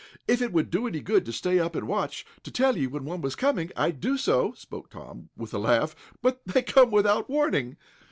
"If it would do any good to stay up and watch, to tell you when one was coming, I'd do so," spoke Tom, with a laugh, "but they come without warning."